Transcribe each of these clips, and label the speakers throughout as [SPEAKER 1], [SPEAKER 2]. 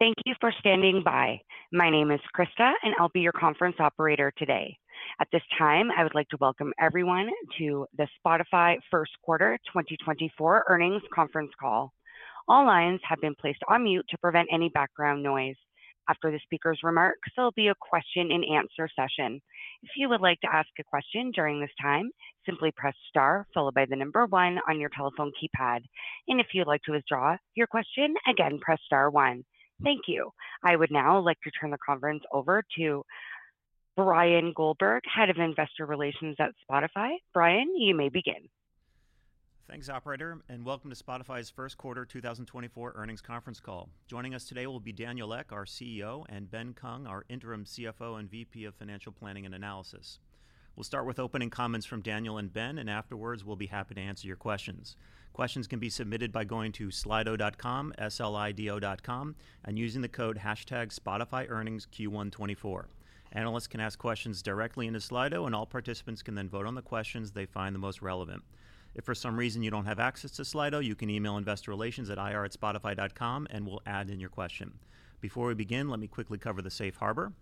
[SPEAKER 1] Thank you for standing by. My name is Krista, and I'll be your conference operator today. At this time, I would like to welcome everyone to the Spotify First Quarter 2024 Earnings Conference Call. All lines have been placed on mute to prevent any background noise. After the speaker's remarks, there'll be a question-and-answer session. If you would like to ask a question during this time, simply press star followed by the number one on your telephone keypad. And if you'd like to withdraw your question, again, press star one. Thank you. I would now like to turn the conference over to Bryan Goldberg, Head of Investor Relations at Spotify. Bryan, you may begin.
[SPEAKER 2] Thanks, operator, and welcome to Spotify's First Quarter 2024 Earnings Conference Call. Joining us today will be Daniel Ek, our CEO, and Ben Kung, our interim CFO and VP of Financial Planning and Analysis. We'll start with opening comments from Daniel and Ben, and afterwards we'll be happy to answer your questions. Questions can be submitted by going to slido.com, S-L-I-D-O dot com, and using the code #SpotifyEarningsQ124. Analysts can ask questions directly into Slido, and all participants can then vote on the questions they find the most relevant. If for some reason you don't have access to Slido, you can email investor relations @irspotify.com, and we'll add in your question. Before we begin, let me quickly cover the safe harbor.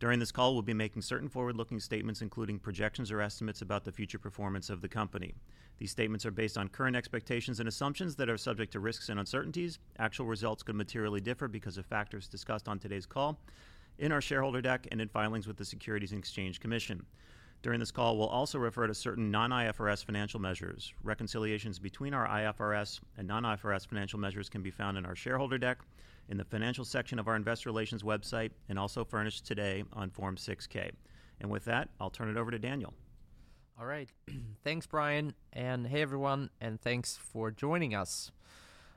[SPEAKER 2] During this call, we'll be making certain forward-looking statements, including projections or estimates about the future performance of the company. These statements are based on current expectations and assumptions that are subject to risks and uncertainties. Actual results could materially differ because of factors discussed on today's call, in our shareholder deck, and in filings with the Securities and Exchange Commission. During this call, we'll also refer to certain non-IFRS financial measures. Reconciliations between our IFRS and non-IFRS financial measures can be found in our shareholder deck, in the financial section of our Investor Relations website, and also furnished today on Form 6-K. With that, I'll turn it over to Daniel.
[SPEAKER 3] All right. Thanks, Bryan. And hey, everyone, and thanks for joining us.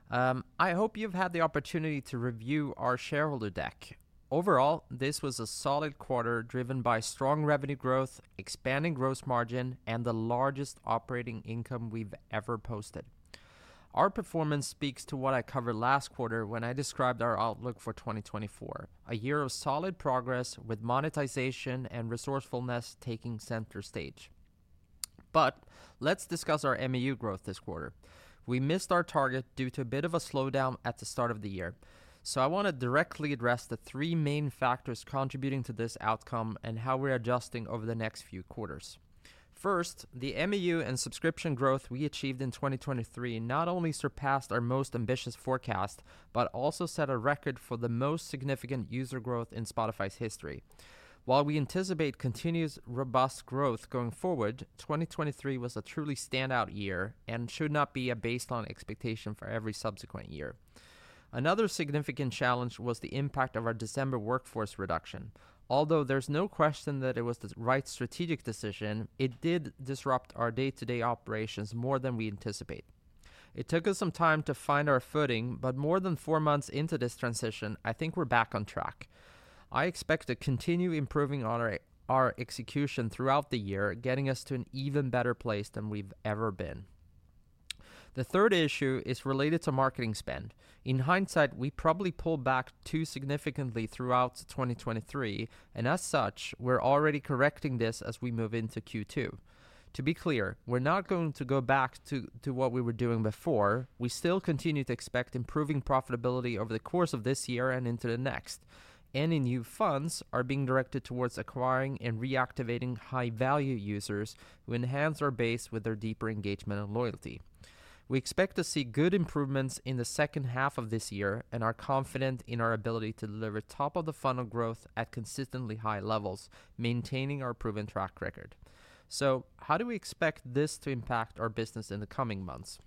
[SPEAKER 3] I hope you've had the opportunity to review our shareholder deck. Overall, this was a solid quarter driven by strong revenue growth, expanding gross margin, and the largest operating income we've ever posted. Our performance speaks to what I covered last quarter when I described our outlook for 2024, a year of solid progress with monetization and resourcefulness taking center stage. But let's discuss our MAU growth this quarter. We missed our target due to a bit of a slowdown at the start of the year. So I want to directly address the three main factors contributing to this outcome and how we're adjusting over the next few quarters. First, the MAU and subscription growth we achieved in 2023 not only surpassed our most ambitious forecast but also set a record for the most significant user growth in Spotify's history. While we anticipate continuous robust growth going forward, 2023 was a truly standout year and should not be a baseline expectation for every subsequent year. Another significant challenge was the impact of our December workforce reduction. Although there's no question that it was the right strategic decision, it did disrupt our day-to-day operations more than we anticipate. It took us some time to find our footing, but more than four months into this transition, I think we're back on track. I expect to continue improving on our execution throughout the year, getting us to an even better place than we've ever been. The third issue is related to marketing spend. In hindsight, we probably pulled back too significantly throughout 2023, and as such, we're already correcting this as we move into Q2. To be clear, we're not going to go back to what we were doing before. We still continue to expect improving profitability over the course of this year and into the next. Any new funds are being directed towards acquiring and reactivating high-value users who enhance our base with their deeper engagement and loyalty. We expect to see good improvements in the second half of this year, and are confident in our ability to deliver top-of-the-funnel growth at consistently high levels, maintaining our proven track record. So how do we expect this to impact our business in the coming months?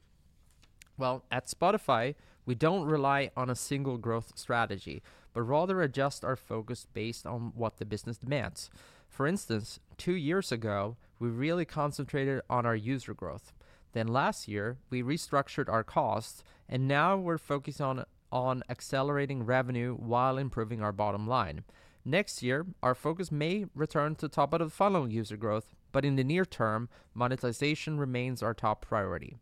[SPEAKER 3] Well, at Spotify, we don't rely on a single growth strategy but rather adjust our focus based on what the business demands. For instance, two years ago, we really concentrated on our user growth. Then last year, we restructured our costs, and now we're focused on accelerating revenue while improving our bottom line. Next year, our focus may return to top-of-the-funnel user growth, but in the near term, monetization remains our top priority.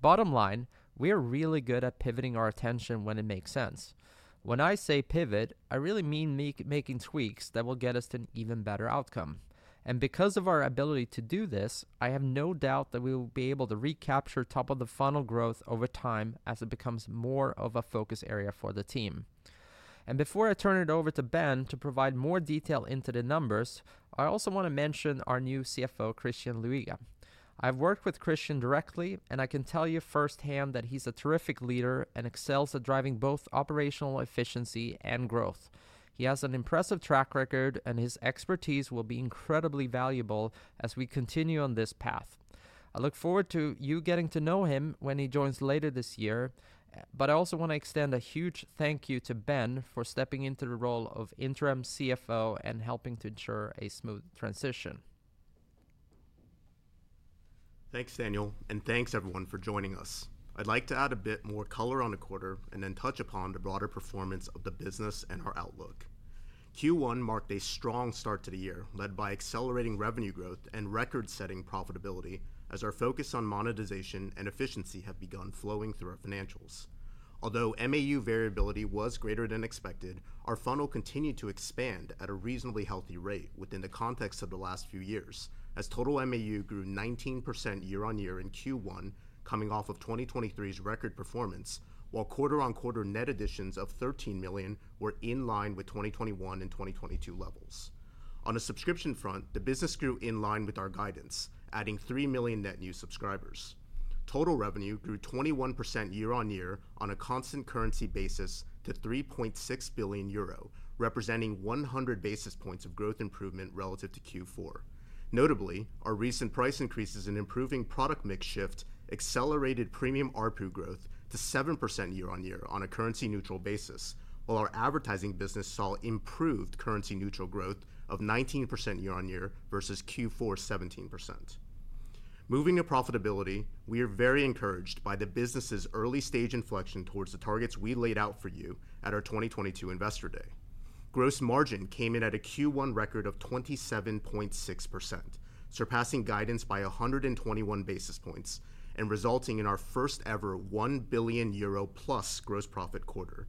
[SPEAKER 3] Bottom line, we are really good at pivoting our attention when it makes sense. When I say pivot, I really mean making tweaks that will get us to an even better outcome. Because of our ability to do this, I have no doubt that we will be able to recapture top-of-the-funnel growth over time as it becomes more of a focus area for the team. Before I turn it over to Ben to provide more detail into the numbers, I also want to mention our new CFO, Christian Luiga. I've worked with Christian directly, and I can tell you firsthand that he's a terrific leader and excels at driving both operational efficiency and growth. He has an impressive track record, and his expertise will be incredibly valuable as we continue on this path. I look forward to you getting to know him when he joins later this year, but I also want to extend a huge thank you to Ben for stepping into the role of Interim CFO and helping to ensure a smooth transition.
[SPEAKER 4] Thanks, Daniel, and thanks, everyone, for joining us. I'd like to add a bit more color on the quarter and then touch upon the broader performance of the business and our outlook. Q1 marked a strong start to the year, led by accelerating revenue growth and record-setting profitability as our focus on monetization and efficiency had begun flowing through our financials. Although MAU variability was greater than expected, our funnel continued to expand at a reasonably healthy rate within the context of the last few years, as total MAU grew 19% year-over-year in Q1, coming off of 2023's record performance, while quarter-on-quarter net additions of 13 million were in line with 2021 and 2022 levels. On the subscription front, the business grew in line with our guidance, adding 3 million net new subscribers. Total revenue grew 21% year-on-year on a constant currency basis to 3.6 billion euro, representing 100 basis points of growth improvement relative to Q4. Notably, our recent price increases and improving product mix shift accelerated premium ARPU growth to 7% year-on-year on a currency-neutral basis, while our advertising business saw improved currency-neutral growth of 19% year-on-year versus Q4's 17%. Moving to profitability, we are very encouraged by the business's early-stage inflection towards the targets we laid out for you at our 2022 Investor Day. Gross margin came in at a Q1 record of 27.6%, surpassing guidance by 121 basis points and resulting in our first-ever 1 billion euro-plus gross profit quarter.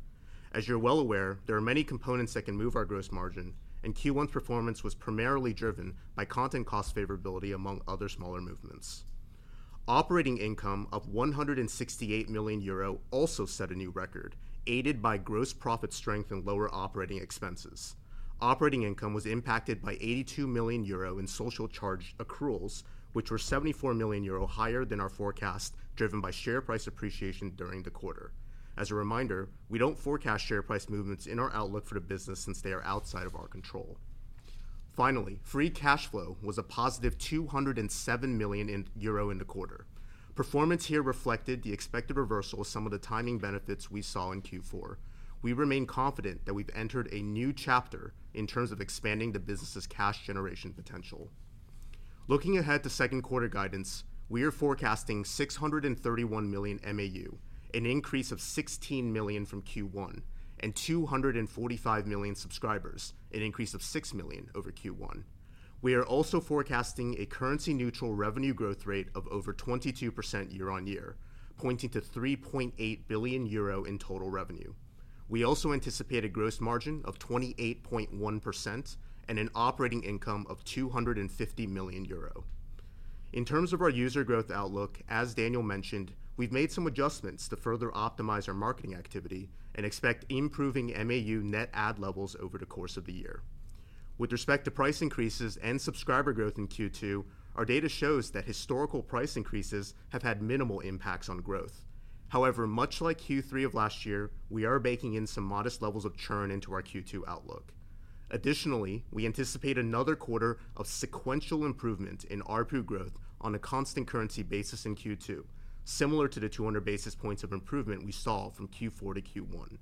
[SPEAKER 4] As you're well aware, there are many components that can move our gross margin, and Q1's performance was primarily driven by content cost favorability among other smaller movements. Operating income of 168 million euro also set a new record, aided by gross profit strength and lower operating expenses. Operating income was impacted by 82 million euro in social charge accruals, which were 74 million euro higher than our forecast driven by share price appreciation during the quarter. As a reminder, we don't forecast share price movements in our outlook for the business since they are outside of our control. Finally, free cash flow was a positive 207 million euro in the quarter. Performance here reflected the expected reversal of some of the timing benefits we saw in Q4. We remain confident that we've entered a new chapter in terms of expanding the business's cash generation potential. Looking ahead to second quarter guidance, we are forecasting 631 million MAU, an increase of 16 million from Q1, and 245 million subscribers, an increase of 6 million over Q1. We are also forecasting a currency-neutral revenue growth rate of over 22% year-on-year, pointing to 3.8 billion euro in total revenue. We also anticipate a gross margin of 28.1% and an operating income of 250 million euro. In terms of our user growth outlook, as Daniel mentioned, we've made some adjustments to further optimize our marketing activity and expect improving MAU net add levels over the course of the year. With respect to price increases and subscriber growth in Q2, our data shows that historical price increases have had minimal impacts on growth. However, much like Q3 of last year, we are baking in some modest levels of churn into our Q2 outlook. Additionally, we anticipate another quarter of sequential improvement in RPU growth on a constant currency basis in Q2, similar to the 200 basis points of improvement we saw from Q4 to Q1.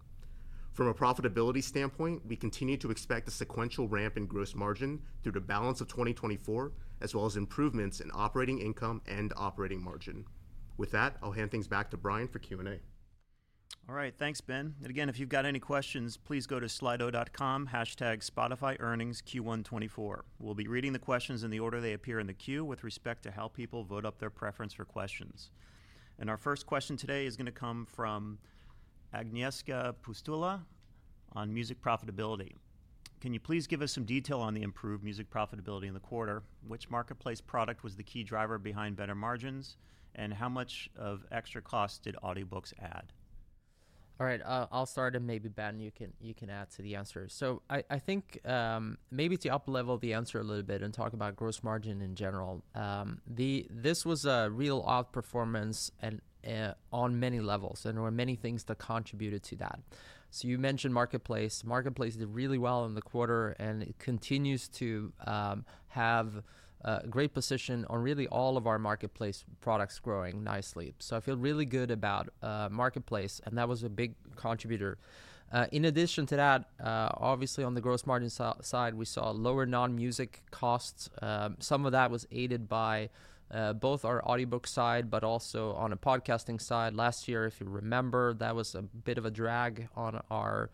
[SPEAKER 4] From a profitability standpoint, we continue to expect a sequential ramp in gross margin through the balance of 2024, as well as improvements in operating income and operating margin. With that, I'll hand things back to Bryan for Q&A.
[SPEAKER 2] All right. Thanks, Ben. And again, if you've got any questions, please go to slido.com, #SpotifyEarningsQ124. We'll be reading the questions in the order they appear in the queue with respect to how people vote up their preference for questions. And our first question today is going to come from Agnieszka Pustula on music profitability. Can you please give us some detail on the improved music profitability in the quarter? Which Marketplace product was the key driver behind better margins, and how much of extra cost did audiobooks add?
[SPEAKER 3] All right. I'll start, and maybe, Ben, you can add to the answer. So I think maybe to uplevel the answer a little bit and talk about gross margin in general, this was a real off-performance on many levels, and there were many things that contributed to that. So you mentioned Marketplace. Marketplace did really well in the quarter, and it continues to have a great position on really all of our Marketplace products growing nicely. So I feel really good about Marketplace, and that was a big contributor. In addition to that, obviously, on the gross margin side, we saw lower non-music costs. Some of that was aided by both our audiobook side but also on a podcasting side. Last year, if you remember, that was a bit of a drag on our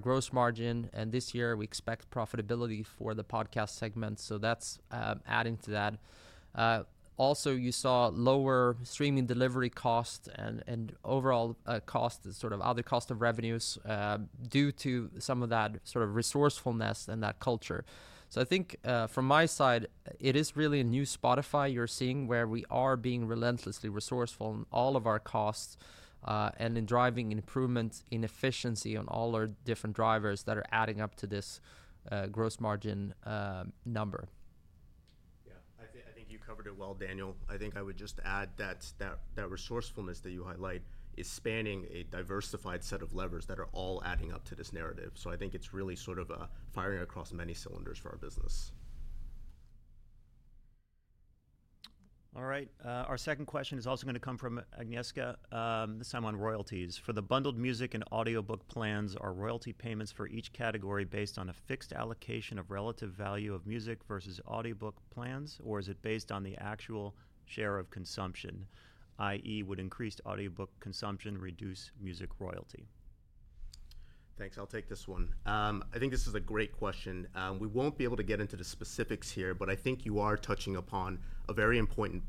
[SPEAKER 3] gross margin. This year, we expect profitability for the podcast segment, so that's adding to that. Also, you saw lower streaming delivery costs and overall costs, sort of other costs of revenues, due to some of that sort of resourcefulness and that culture. I think, from my side, it is really a new Spotify you're seeing where we are being relentlessly resourceful in all of our costs and in driving improvement in efficiency on all our different drivers that are adding up to this gross margin number.
[SPEAKER 4] Yeah. I think you covered it well, Daniel. I think I would just add that resourcefulness that you highlight is spanning a diversified set of levers that are all adding up to this narrative. So I think it's really sort of firing across many cylinders for our business.
[SPEAKER 2] All right. Our second question is also going to come from Agnieszka, this time on royalties. For the bundled music and audiobook plans, are royalty payments for each category based on a fixed allocation of relative value of music versus audiobook plans, or is it based on the actual share of consumption, i.e., would increased audiobook consumption reduce music royalty?
[SPEAKER 4] Thanks. I'll take this one. I think this is a great question. We won't be able to get into the specifics here, but I think you are touching upon a very important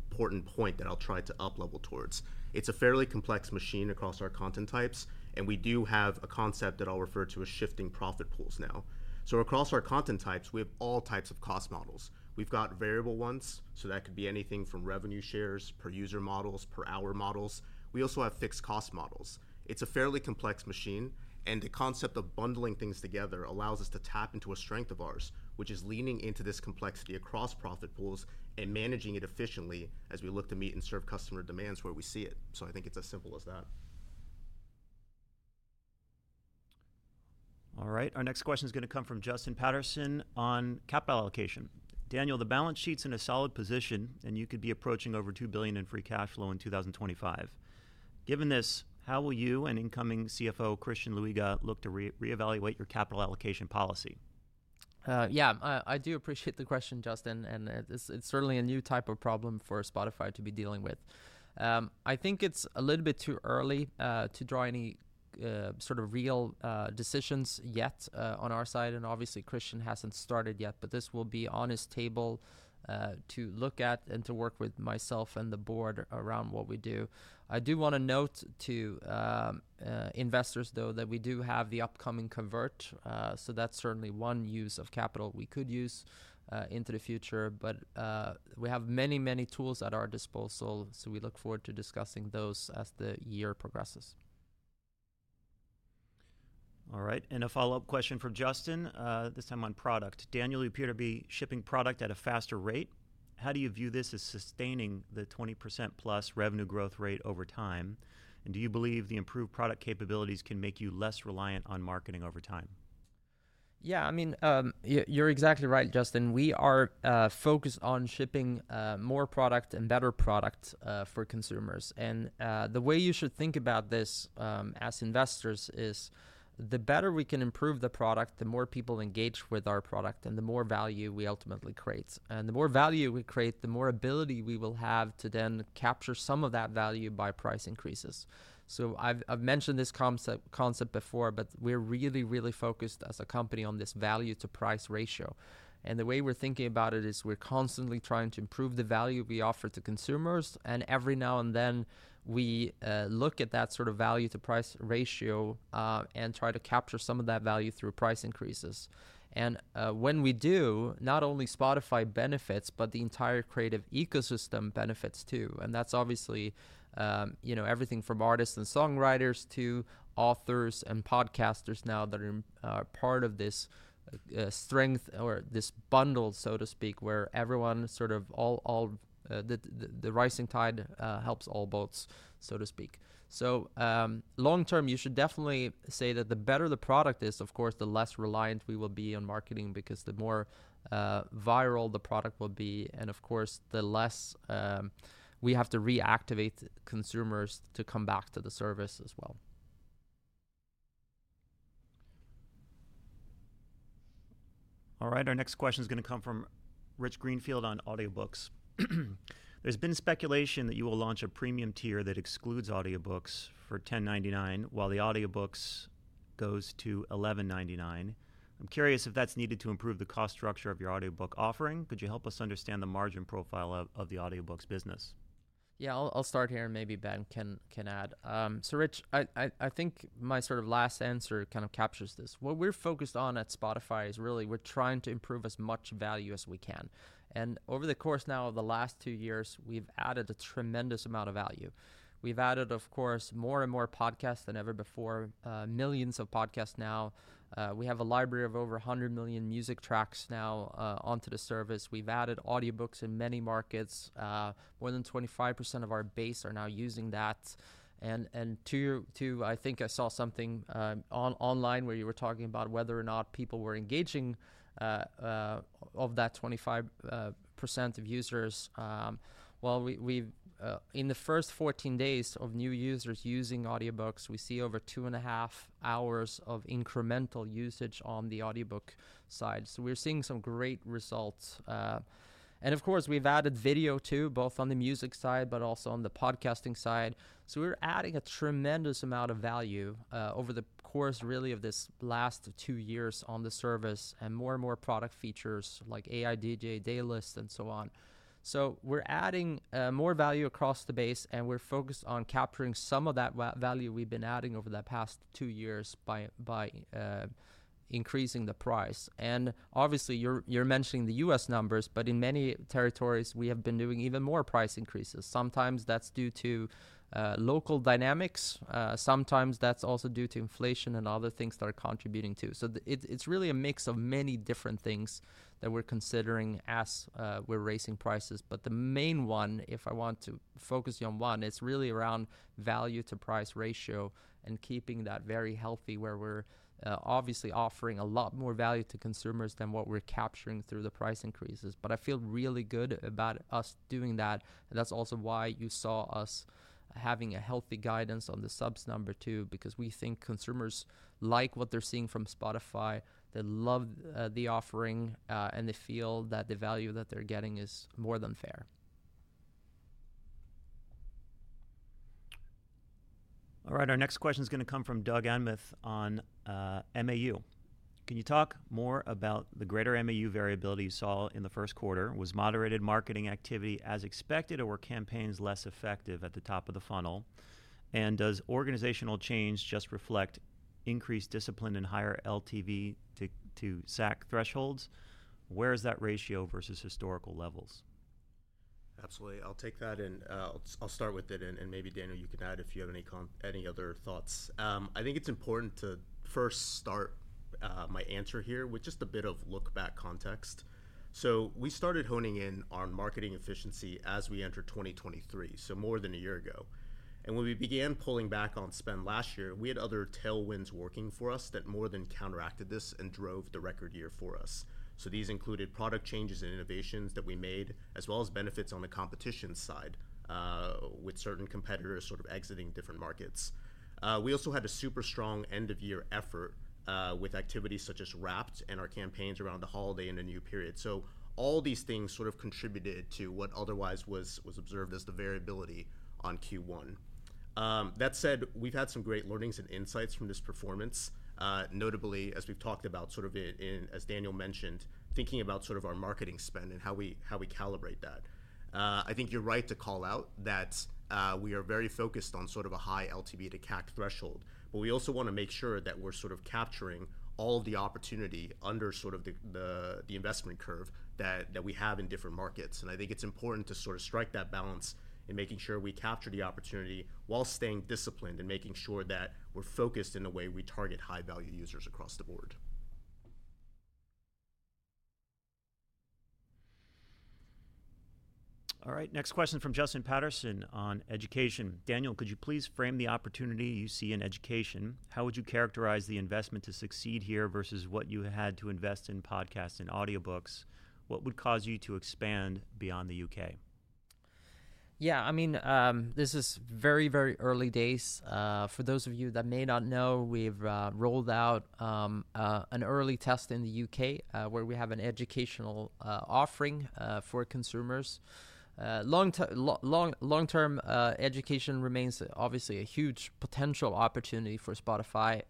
[SPEAKER 4] point that I'll try to uplevel towards. It's a fairly complex machine across our content types, and we do have a concept that I'll refer to as shifting profit pools now. So across our content types, we have all types of cost models. We've got variable ones, so that could be anything from revenue shares per user models, per hour models. We also have fixed cost models. It's a fairly complex machine, and the concept of bundling things together allows us to tap into a strength of ours, which is leaning into this complexity across profit pools and managing it efficiently as we look to meet and serve customer demands where we see it. I think it's as simple as that.
[SPEAKER 2] All right. Our next question is going to come from Justin Patterson on capital allocation. Daniel, the balance sheet's in a solid position, and you could be approaching over 2 billion in free cash flow in 2025. Given this, how will you and incoming CFO Christian Luiga look to reevaluate your capital allocation policy?
[SPEAKER 3] Yeah. I do appreciate the question, Justin. And it's certainly a new type of problem for Spotify to be dealing with. I think it's a little bit too early to draw any sort of real decisions yet on our side. And obviously, Christian hasn't started yet, but this will be on his table to look at and to work with myself and the board around what we do. I do want to note to investors, though, that we do have the upcoming convertible. So that's certainly one use of capital we could use into the future. But we have many, many tools at our disposal, so we look forward to discussing those as the year progresses.
[SPEAKER 2] All right. And a follow-up question from Justin, this time on product. Daniel, you appear to be shipping product at a faster rate. How do you view this as sustaining the 20%-plus revenue growth rate over time? And do you believe the improved product capabilities can make you less reliant on marketing over time?
[SPEAKER 3] Yeah. I mean, you're exactly right, Justin. We are focused on shipping more product and better product for consumers. The way you should think about this as investors is the better we can improve the product, the more people engage with our product, and the more value we ultimately create. The more value we create, the more ability we will have to then capture some of that value by price increases. I've mentioned this concept before, but we're really, really focused as a company on this value-to-price ratio. The way we're thinking about it is we're constantly trying to improve the value we offer to consumers. Every now and then, we look at that sort of value-to-price ratio and try to capture some of that value through price increases. When we do, not only Spotify benefits, but the entire creative ecosystem benefits too. That's obviously everything from artists and songwriters to authors and podcasters now that are part of this strength or this bundle, so to speak, where everyone sort of all the rising tide helps all boats, so to speak. Long term, you should definitely say that the better the product is, of course, the less reliant we will be on marketing because the more viral the product will be, and of course, the less we have to reactivate consumers to come back to the service as well.
[SPEAKER 2] All right. Our next question is going to come from Rich Greenfield on audiobooks. There's been speculation that you will launch a premium tier that excludes audiobooks for $10.99 while the audiobooks goes to $11.99. I'm curious if that's needed to improve the cost structure of your audiobook offering. Could you help us understand the margin profile of the audiobooks business?
[SPEAKER 3] Yeah. I'll start here, and maybe, Ben, can add. So Rich, I think my sort of last answer kind of captures this. What we're focused on at Spotify is really we're trying to improve as much value as we can. And over the course now of the last two years, we've added a tremendous amount of value. We've added, of course, more and more podcasts than ever before, millions of podcasts now. We have a library of over 100 million music tracks now onto the service. We've added audiobooks in many markets. More than 25% of our base are now using that. And too, I think I saw something online where you were talking about whether or not people were engaging of that 25% of users. Well, in the first 14 days of new users using audiobooks, we see over 2.5 hours of incremental usage on the audiobook side. So we're seeing some great results. And of course, we've added video too, both on the music side but also on the podcasting side. So we're adding a tremendous amount of value over the course, really, of this last two years on the service and more and more product features like AI DJ, Daylist, and so on. So we're adding more value across the base, and we're focused on capturing some of that value we've been adding over the past two years by increasing the price. And obviously, you're mentioning the U.S. numbers, but in many territories, we have been doing even more price increases. Sometimes that's due to local dynamics. Sometimes that's also due to inflation and other things that are contributing too. So it's really a mix of many different things that we're considering as we're raising prices. But the main one, if I want to focus you on one, it's really around value-to-price ratio and keeping that very healthy where we're obviously offering a lot more value to consumers than what we're capturing through the price increases. But I feel really good about us doing that. And that's also why you saw us having a healthy guidance on the subs number too, because we think consumers like what they're seeing from Spotify. They love the offering, and they feel that the value that they're getting is more than fair.
[SPEAKER 2] All right. Our next question is going to come from Doug Anmuth on MAU. Can you talk more about the greater MAU variability you saw in the first quarter? Was moderated marketing activity as expected, or were campaigns less effective at the top of the funnel? And does organizational change just reflect increased discipline and higher LTV to CAC thresholds? Where is that ratio versus historical levels?
[SPEAKER 4] Absolutely. I'll take that, and I'll start with it. Maybe, Daniel, you can add if you have any other thoughts. I think it's important to first start my answer here with just a bit of look-back context. We started honing in on marketing efficiency as we entered 2023, so more than a year ago. When we began pulling back on spend last year, we had other tailwinds working for us that more than counteracted this and drove the record year for us. These included product changes and innovations that we made, as well as benefits on the competition side with certain competitors sort of exiting different markets. We also had a super strong end-of-year effort with activities such as Wrapped and our campaigns around the holiday and the new period. All these things sort of contributed to what otherwise was observed as the variability on Q1. That said, we've had some great learnings and insights from this performance, notably, as we've talked about, sort of, as Daniel mentioned, thinking about sort of our marketing spend and how we calibrate that. I think you're right to call out that we are very focused on sort of a high LTV to CAC threshold. But we also want to make sure that we're sort of capturing all of the opportunity under sort of the investment curve that we have in different markets. And I think it's important to sort of strike that balance in making sure we capture the opportunity while staying disciplined and making sure that we're focused in the way we target high-value users across the board.
[SPEAKER 2] All right. Next question from Justin Patterson on education. Daniel, could you please frame the opportunity you see in education? How would you characterize the investment to succeed here versus what you had to invest in podcasts and audiobooks? What would cause you to expand beyond the U.K.?
[SPEAKER 3] Yeah. I mean, this is very, very early days. For those of you that may not know, we've rolled out an early test in the U.K. where we have an educational offering for consumers. Long-term education remains, obviously, a huge potential opportunity for Spotify,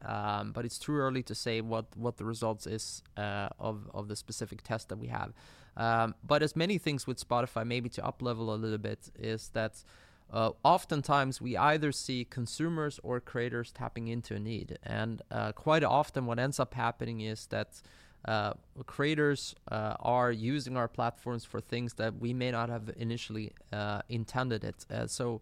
[SPEAKER 3] but it's too early to say what the results are of the specific test that we have. But as many things with Spotify, maybe to uplevel a little bit, is that oftentimes, we either see consumers or creators tapping into a need. And quite often, what ends up happening is that creators are using our platforms for things that we may not have initially intended it. So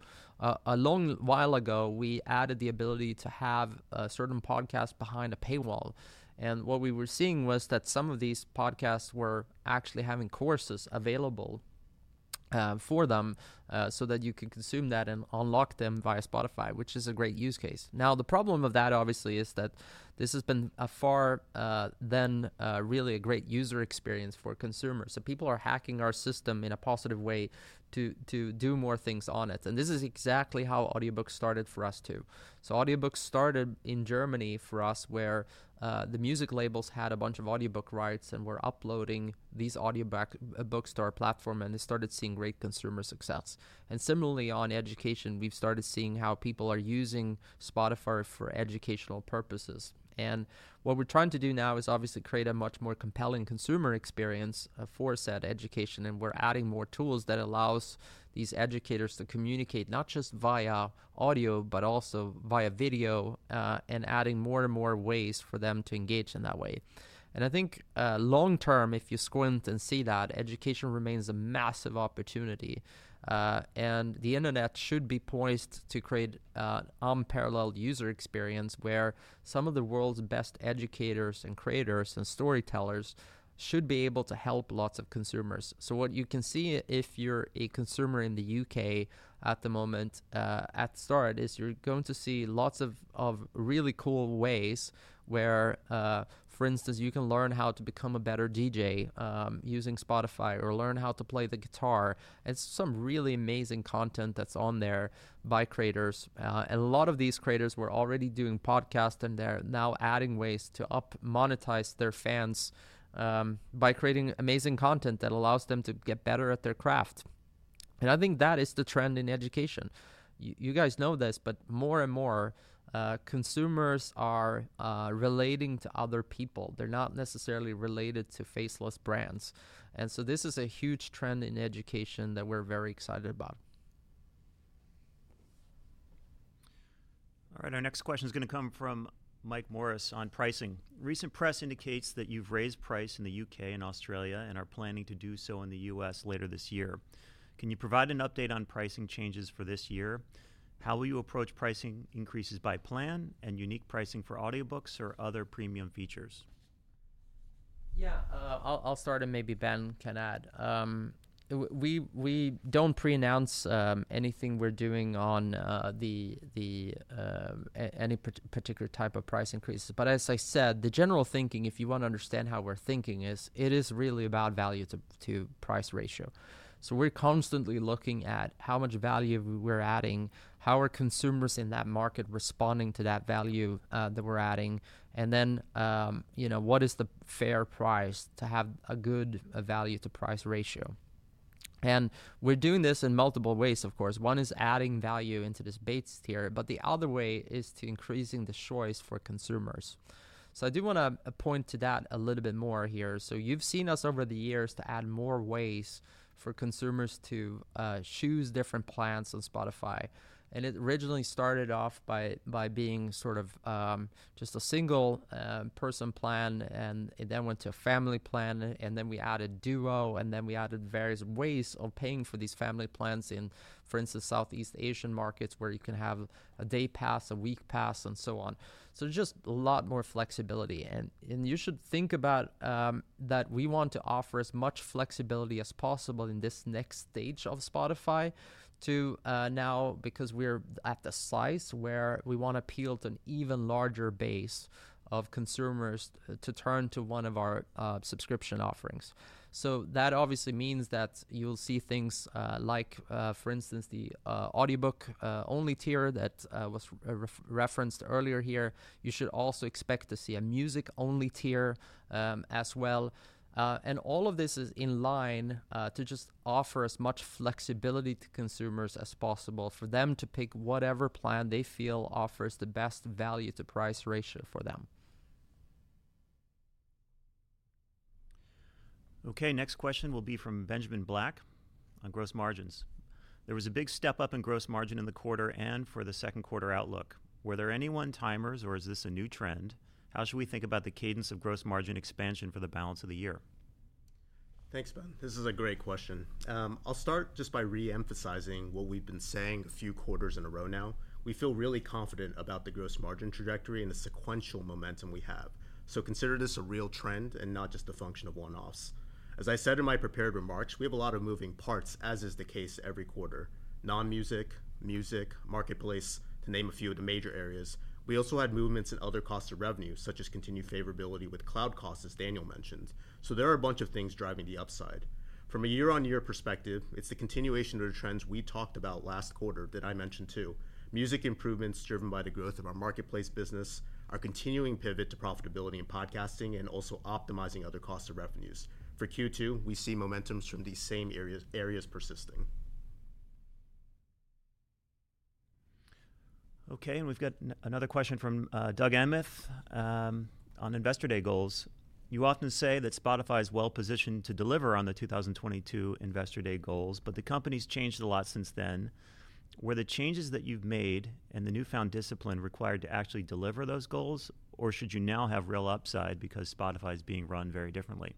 [SPEAKER 3] a long while ago, we added the ability to have certain podcasts behind a paywall. And what we were seeing was that some of these podcasts were actually having courses available for them so that you could consume that and unlock them via Spotify, which is a great use case. Now, the problem of that, obviously, is that this has been far from really a great user experience for consumers. So people are hacking our system in a positive way to do more things on it. And this is exactly how audiobooks started for us too. So audiobooks started in Germany for us where the music labels had a bunch of audiobook rights and were uploading these audiobooks to our platform, and they started seeing great consumer success. And similarly, on education, we've started seeing how people are using Spotify for educational purposes. And what we're trying to do now is, obviously, create a much more compelling consumer experience for said education. We're adding more tools that allow these educators to communicate not just via audio but also via video and adding more and more ways for them to engage in that way. I think long term, if you squint and see that, education remains a massive opportunity. The internet should be poised to create an unparalleled user experience where some of the world's best educators and creators and storytellers should be able to help lots of consumers. So what you can see, if you're a consumer in the U.K. at the moment on Spotify, is you're going to see lots of really cool ways where, for instance, you can learn how to become a better DJ using Spotify or learn how to play the guitar. It's some really amazing content that's on there by creators. A lot of these creators were already doing podcasts, and they're now adding ways to monetize their fans by creating amazing content that allows them to get better at their craft. I think that is the trend in education. You guys know this, but more and more, consumers are relating to other people. They're not necessarily related to faceless brands. So this is a huge trend in education that we're very excited about.
[SPEAKER 2] All right. Our next question is going to come from Mike Morris on pricing. Recent press indicates that you've raised price in the U.K. and Australia and are planning to do so in the U.S later this year. Can you provide an update on pricing changes for this year? How will you approach pricing increases by plan and unique pricing for audiobooks or other premium features?
[SPEAKER 3] Yeah. I'll start, and maybe Ben can add. We don't pre-announce anything we're doing on any particular type of price increases. But as I said, the general thinking, if you want to understand how we're thinking, is it is really about value-to-price ratio. So we're constantly looking at how much value we're adding, how are consumers in that market responding to that value that we're adding, and then what is the fair price to have a good value-to-price ratio. And we're doing this in multiple ways, of course. One is adding value into this base tier, but the other way is increasing the choice for consumers. So I do want to point to that a little bit more here. So you've seen us over the years to add more ways for consumers to choose different plans on Spotify. It originally started off by being sort of just a single-person plan, and it then went to a family plan, and then we added Duo, and then we added various ways of paying for these family plans in, for instance, Southeast Asian markets where you can have a day pass, a week pass, and so on. Just a lot more flexibility. You should think about that we want to offer as much flexibility as possible in this next stage of Spotify to now because we're at the size where we want to appeal to an even larger base of consumers to turn to one of our subscription offerings. That obviously means that you'll see things like, for instance, the audiobook-only tier that was referenced earlier here. You should also expect to see a music-only tier as well. All of this is in line to just offer as much flexibility to consumers as possible for them to pick whatever plan they feel offers the best value-to-price ratio for them.
[SPEAKER 2] Okay. Next question will be from Benjamin Black on gross margins. There was a big step up in gross margin in the quarter and for the second quarter outlook. Were there any one-timers, or is this a new trend? How should we think about the cadence of gross margin expansion for the balance of the year?
[SPEAKER 4] Thanks, Ben. This is a great question. I'll start just by re-emphasizing what we've been saying a few quarters in a row now. We feel really confident about the gross margin trajectory and the sequential momentum we have. So consider this a real trend and not just a function of one-offs. As I said in my prepared remarks, we have a lot of moving parts, as is the case every quarter: non-music, music, Marketplace, to name a few of the major areas. We also had movements in other costs of revenue, such as continued favorability with cloud costs, as Daniel mentioned. So there are a bunch of things driving the upside. From a year-on-year perspective, it's the continuation of the trends we talked about last quarter that I mentioned too: music improvements driven by the growth of our Marketplace business, our continuing pivot to profitability in podcasting, and also optimizing other costs of revenues. For Q2, we see momentums from these same areas persisting.
[SPEAKER 2] Okay. We've got another question from Doug Anmuth on Investor Day goals. You often say that Spotify is well-positioned to deliver on the 2022 Investor Day goals, but the company's changed a lot since then. Were the changes that you've made and the newfound discipline required to actually deliver those goals, or should you now have real upside because Spotify is being run very differently?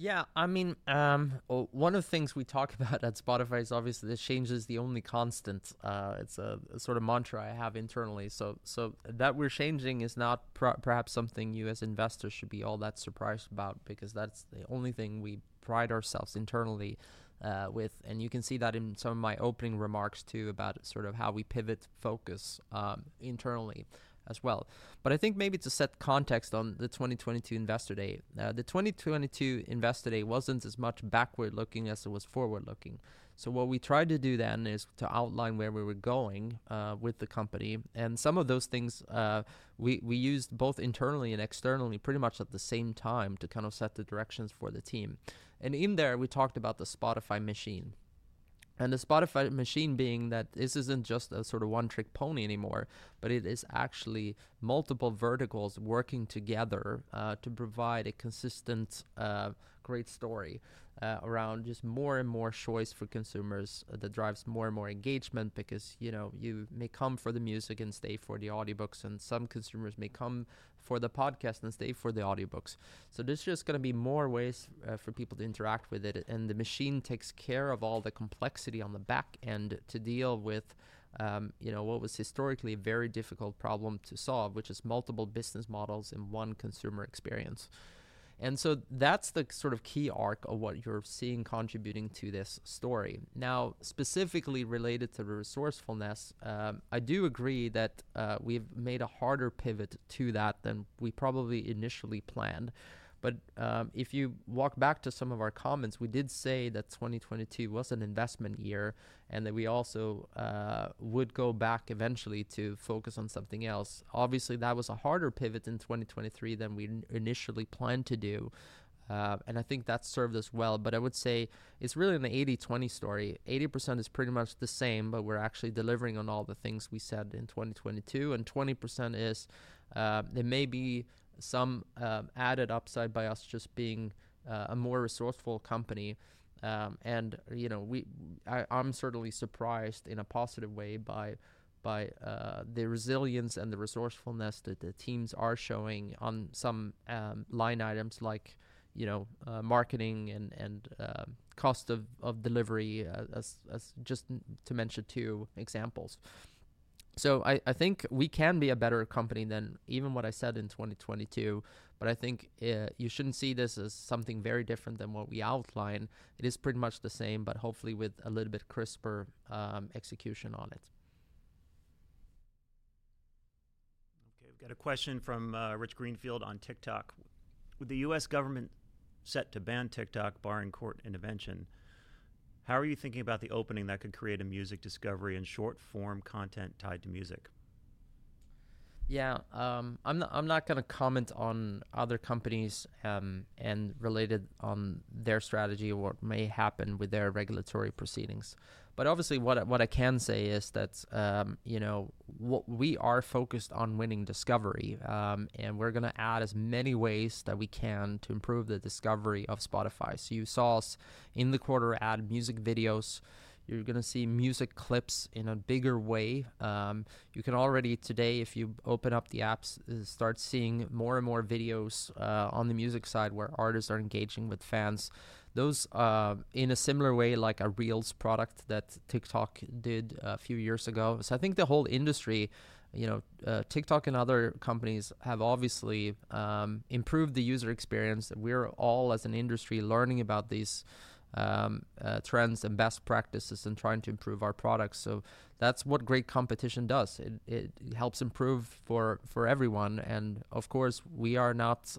[SPEAKER 3] Yeah. I mean, one of the things we talk about at Spotify is, obviously, that change is the only constant. It's a sort of mantra I have internally. So that we're changing is not perhaps something you as investors should be all that surprised about because that's the only thing we pride ourselves internally with. And you can see that in some of my opening remarks too about sort of how we pivot focus internally as well. But I think maybe to set context on the 2022 Investor Day, the 2022 Investor Day wasn't as much backward-looking as it was forward-looking. So what we tried to do then is to outline where we were going with the company. And some of those things, we used both internally and externally pretty much at the same time to kind of set the directions for the team. In there, we talked about the Spotify machine. The Spotify machine being that this isn't just a sort of one-trick pony anymore, but it is actually multiple verticals working together to provide a consistent, great story around just more and more choice for consumers that drives more and more engagement because you may come for the music and stay for the audiobooks, and some consumers may come for the podcast and stay for the audiobooks. So there's just going to be more ways for people to interact with it. The machine takes care of all the complexity on the back end to deal with what was historically a very difficult problem to solve, which is multiple business models in one consumer experience. So that's the sort of key arc of what you're seeing contributing to this story. Now, specifically related to resourcefulness, I do agree that we've made a harder pivot to that than we probably initially planned. But if you walk back to some of our comments, we did say that 2022 was an investment year and that we also would go back eventually to focus on something else. Obviously, that was a harder pivot in 2023 than we initially planned to do. And I think that served us well. But I would say it's really an 80/20 story. 80% is pretty much the same, but we're actually delivering on all the things we said in 2022. And 20% is there may be some added upside by us just being a more resourceful company. I'm certainly surprised in a positive way by the resilience and the resourcefulness that the teams are showing on some line items like marketing and cost of delivery, just to mention two examples. I think we can be a better company than even what I said in 2022. I think you shouldn't see this as something very different than what we outline. It is pretty much the same, but hopefully with a little bit crisper execution on it.
[SPEAKER 2] Okay. We've got a question from Rich Greenfield on TikTok. With the U.S. government set to ban TikTok barring court intervention, how are you thinking about the opening that could create a music discovery and short-form content tied to music?
[SPEAKER 3] Yeah. I'm not going to comment on other companies and related on their strategy or what may happen with their regulatory proceedings. But obviously, what I can say is that we are focused on winning discovery, and we're going to add as many ways that we can to improve the discovery of Spotify. So you saw us in the quarter add music videos. You're going to see music clips in a bigger way. You can already today, if you open up the apps, start seeing more and more videos on the music side where artists are engaging with fans in a similar way like a Reels product that TikTok did a few years ago. So I think the whole industry, TikTok and other companies, have obviously improved the user experience. We're all, as an industry, learning about these trends and best practices and trying to improve our products. So that's what great competition does. It helps improve for everyone. And of course, we are not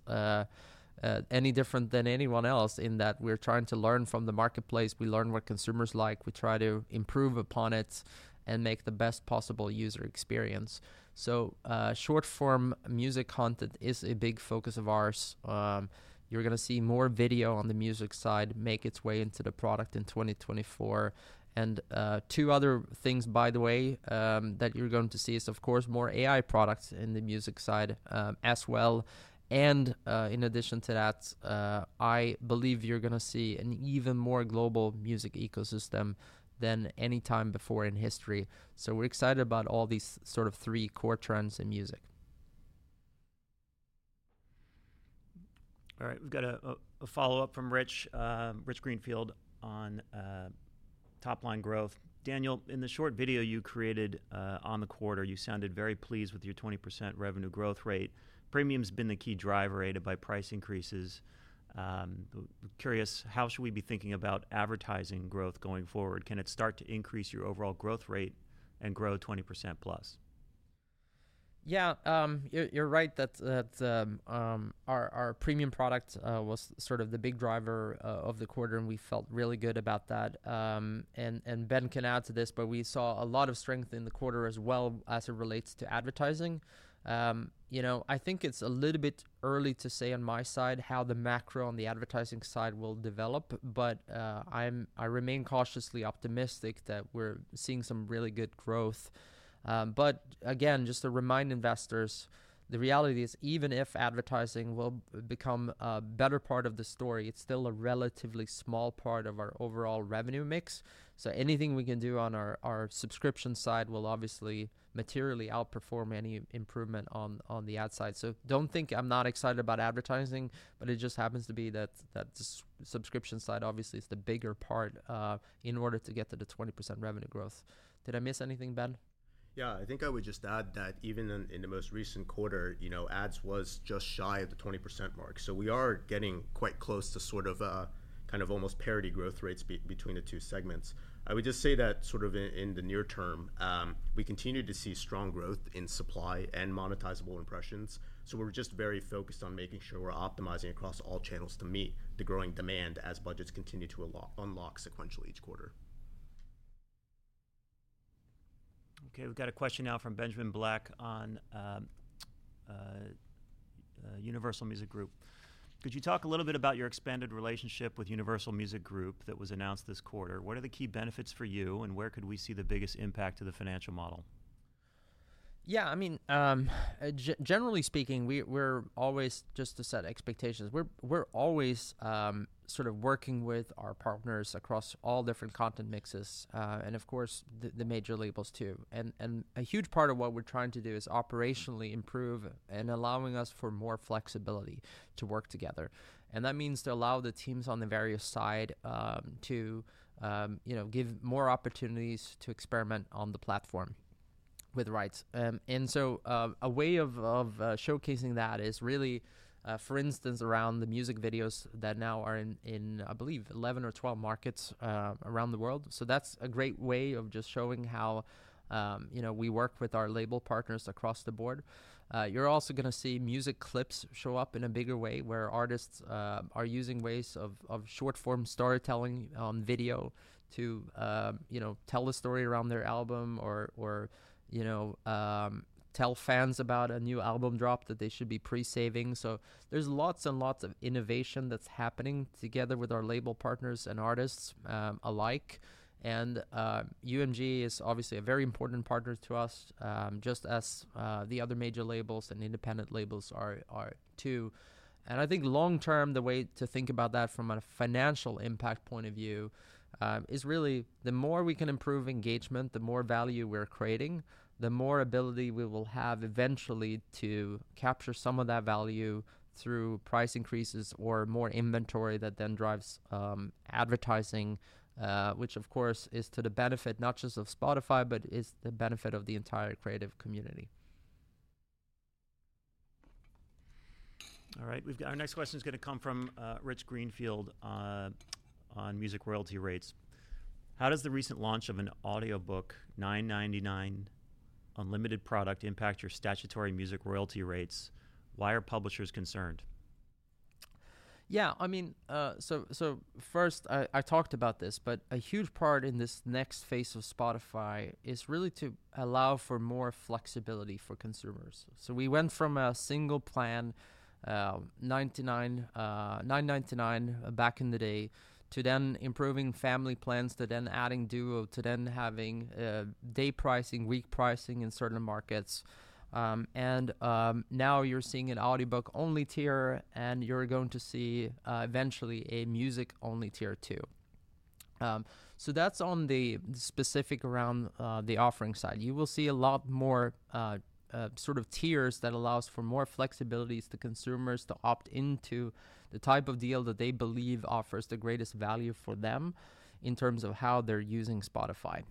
[SPEAKER 3] any different than anyone else in that we're trying to learn from the Marketplace. We learn what consumers like. We try to improve upon it and make the best possible user experience. So short-form music content is a big focus of ours. You're going to see more video on the music side make its way into the product in 2024. And two other things, by the way, that you're going to see is, of course, more AI products in the music side as well. And in addition to that, I believe you're going to see an even more global music ecosystem than any time before in history. So we're excited about all these sort of three core trends in music.
[SPEAKER 2] All right. We've got a follow-up from Rich Greenfield on top-line growth. Daniel, in the short video you created on the quarter, you sounded very pleased with your 20% revenue growth rate. Premium's been the key driver aided by price increases. Curious, how should we be thinking about advertising growth going forward? Can it start to increase your overall growth rate and grow 20%+?
[SPEAKER 3] Yeah. You're right that our premium product was sort of the big driver of the quarter, and we felt really good about that. Ben can add to this, but we saw a lot of strength in the quarter as well as it relates to advertising. I think it's a little bit early to say on my side how the macro on the advertising side will develop, but I remain cautiously optimistic that we're seeing some really good growth. But again, just to remind investors, the reality is even if advertising will become a better part of the story, it's still a relatively small part of our overall revenue mix. So anything we can do on our subscription side will obviously materially outperform any improvement on the ad side. Don't think I'm not excited about advertising, but it just happens to be that the subscription side obviously is the bigger part in order to get to the 20% revenue growth. Did I miss anything, Ben?
[SPEAKER 4] Yeah. I think I would just add that even in the most recent quarter, ads was just shy of the 20% mark. So we are getting quite close to sort of kind of almost parity growth rates between the two segments. I would just say that sort of in the near term, we continue to see strong growth in supply and monetizable impressions. So we're just very focused on making sure we're optimizing across all channels to meet the growing demand as budgets continue to unlock sequentially each quarter.
[SPEAKER 2] Okay. We've got a question now from Benjamin Black on Universal Music Group. Could you talk a little bit about your expanded relationship with Universal Music Group that was announced this quarter? What are the key benefits for you, and where could we see the biggest impact to the financial model?
[SPEAKER 3] Yeah. I mean, generally speaking, we're always just to set expectations. We're always sort of working with our partners across all different content mixes and, of course, the major labels too. A huge part of what we're trying to do is operationally improve and allowing us for more flexibility to work together. That means to allow the teams on the various side to give more opportunities to experiment on the platform with rights. So a way of showcasing that is really, for instance, around the music videos that now are in, I believe, 11 or 12 markets around the world. That's a great way of just showing how we work with our label partners across the board. You're also going to see music clips show up in a bigger way where artists are using ways of short-form storytelling on video to tell a story around their album or tell fans about a new album drop that they should be pre-saving. So there's lots and lots of innovation that's happening together with our label partners and artists alike. And UMG is obviously a very important partner to us, just as the other major labels and independent labels are too. I think long-term, the way to think about that from a financial impact point of view is really the more we can improve engagement, the more value we're creating, the more ability we will have eventually to capture some of that value through price increases or more inventory that then drives advertising, which, of course, is to the benefit not just of Spotify, but is the benefit of the entire creative community.
[SPEAKER 2] All right. Our next question is going to come from Rich Greenfield on music royalty rates. How does the recent launch of an audiobook $9.99 unlimited product impact your statutory music royalty rates? Why are publishers concerned?
[SPEAKER 3] Yeah. I mean, so first, I talked about this, but a huge part in this next phase of Spotify is really to allow for more flexibility for consumers. So we went from a single plan, $9.99 back in the day, to then improving family plans, to then adding Duo, to then having day pricing, week pricing in certain markets. And now you're seeing an audiobook-only tier, and you're going to see eventually a music-only tier too. So that's on the specific around the offering side. You will see a lot more sort of tiers that allows for more flexibilities to consumers to opt into the type of deal that they believe offers the greatest value for them in terms of how they're using Spotify.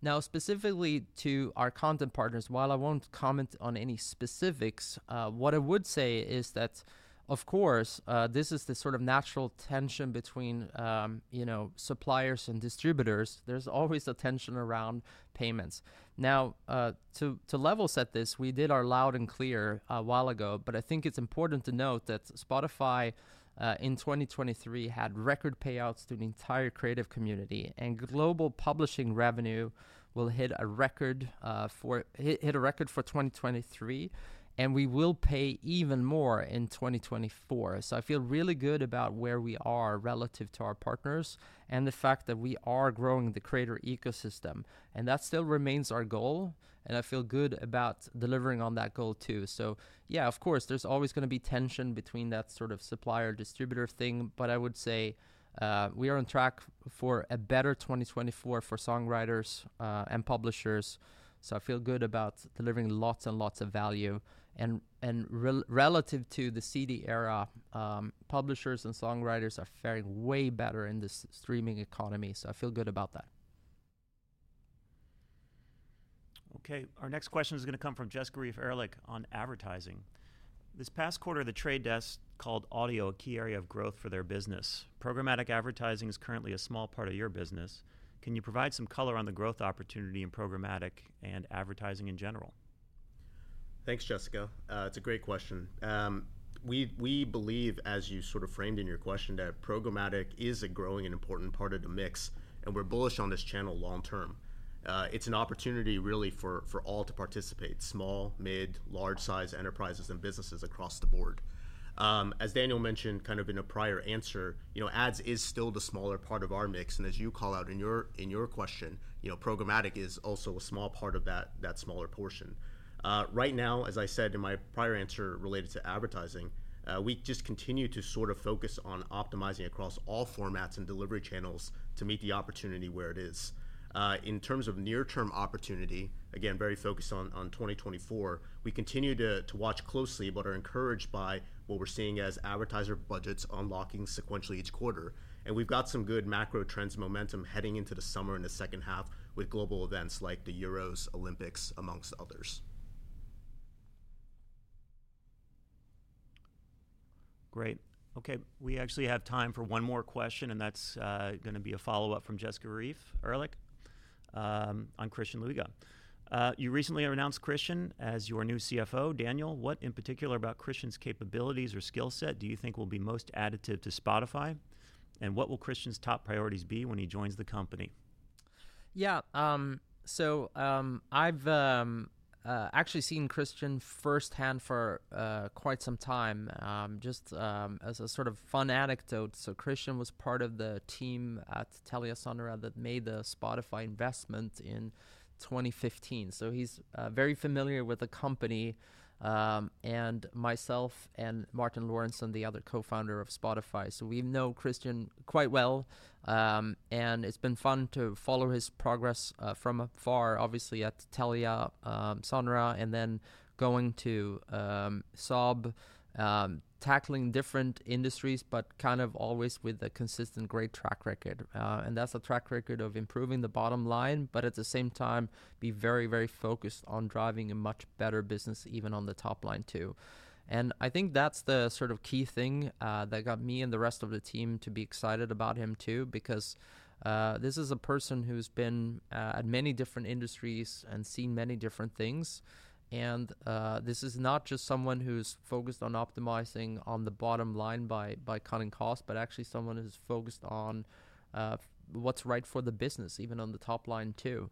[SPEAKER 3] Now, specifically to our content partners, while I won't comment on any specifics, what I would say is that, of course, this is the sort of natural tension between suppliers and distributors. There's always a tension around payments. Now, to level set this, we did our Loud & Clear a while ago, but I think it's important to note that Spotify in 2023 had record payouts to the entire creative community. Global publishing revenue will hit a record for 2023, and we will pay even more in 2024. So I feel really good about where we are relative to our partners and the fact that we are growing the creator ecosystem. That still remains our goal, and I feel good about delivering on that goal too. So yeah, of course, there's always going to be tension between that sort of supplier-distributor thing, but I would say we are on track for a better 2024 for songwriters and publishers. So I feel good about delivering lots and lots of value. And relative to the CD era, publishers and songwriters are faring way better in this streaming economy. So I feel good about that.
[SPEAKER 2] Okay. Our next question is going to come from Jessica Reif Ehrlich on advertising. This past quarter, The Trade Desk called audio a key area of growth for their business. Programmatic advertising is currently a small part of your business. Can you provide some color on the growth opportunity in programmatic and advertising in general?
[SPEAKER 4] Thanks, Jessica. It's a great question. We believe, as you sort of framed in your question, that programmatic is a growing and important part of the mix, and we're bullish on this channel long term. It's an opportunity really for all to participate, small, mid, large-sized enterprises and businesses across the board. As Daniel mentioned kind of in a prior answer, ads is still the smaller part of our mix. And as you call out in your question, programmatic is also a small part of that smaller portion. Right now, as I said in my prior answer related to advertising, we just continue to sort of focus on optimizing across all formats and delivery channels to meet the opportunity where it is. In terms of near-term opportunity, again, very focused on 2024, we continue to watch closely but are encouraged by what we're seeing as advertiser budgets unlocking sequentially each quarter. We've got some good macro trends momentum heading into the summer and the second half with global events like the Euros, Olympics, amongst others.
[SPEAKER 2] Great. Okay. We actually have time for one more question, and that's going to be a follow-up from Jessica Reif Ehrlich on Christian Luiga. You recently announced Christian as your new CFO. Daniel, what in particular about Christian's capabilities or skill set do you think will be most additive to Spotify? And what will Christian's top priorities be when he joins the company?
[SPEAKER 3] Yeah. So I've actually seen Christian firsthand for quite some time. Just as a sort of fun anecdote, so Christian was part of the team at TeliaSonera that made the Spotify investment in 2015. So he's very familiar with the company and myself and Martin Lorentzon, the other co-founder of Spotify. So we know Christian quite well, and it's been fun to follow his progress from afar, obviously at TeliaSonera and then going to Saab, tackling different industries but kind of always with a consistent great track record. And that's a track record of improving the bottom line but at the same time be very, very focused on driving a much better business even on the top line too. And I think that's the sort of key thing that got me and the rest of the team to be excited about him too because this is a person who's been at many different industries and seen many different things. And this is not just someone who's focused on optimizing on the bottom line by cutting costs but actually someone who's focused on what's right for the business even on the top line too.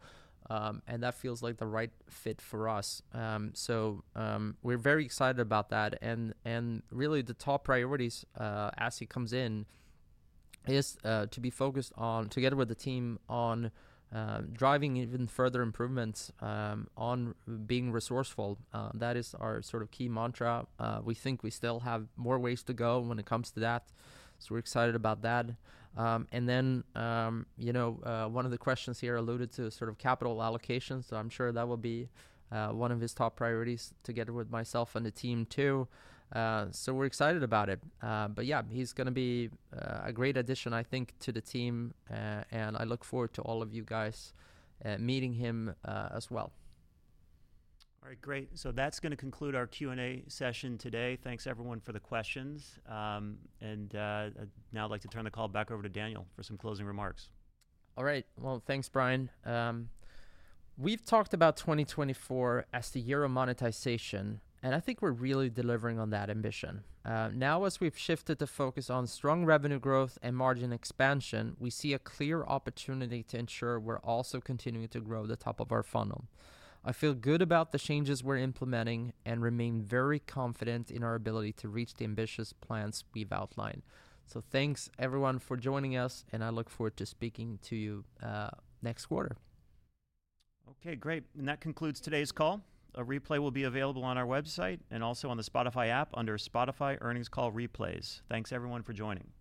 [SPEAKER 3] And that feels like the right fit for us. So we're very excited about that. And really, the top priorities as he comes in is to be focused on together with the team on driving even further improvements on being resourceful. That is our sort of key mantra. We think we still have more ways to go when it comes to that. So we're excited about that. And then one of the questions here alluded to sort of capital allocation. So I'm sure that will be one of his top priorities together with myself and the team too. So we're excited about it. But yeah, he's going to be a great addition, I think, to the team. And I look forward to all of you guys meeting him as well.
[SPEAKER 2] All right. Great. So that's going to conclude our Q&A session today. Thanks, everyone, for the questions. Now I'd like to turn the call back over to Daniel for some closing remarks.
[SPEAKER 3] All right. Well, thanks, Bryan. We've talked about 2024 as the year of monetization, and I think we're really delivering on that ambition. Now, as we've shifted the focus on strong revenue growth and margin expansion, we see a clear opportunity to ensure we're also continuing to grow the top of our funnel. I feel good about the changes we're implementing and remain very confident in our ability to reach the ambitious plans we've outlined. So thanks, everyone, for joining us, and I look forward to speaking to you next quarter.
[SPEAKER 2] Okay. Great. That concludes today's call. A replay will be available on our website and also on the Spotify app under Spotify Earnings Call Replays. Thanks, everyone, for joining.